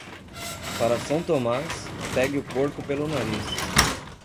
Para São Tomás, pegue o porco pelo nariz.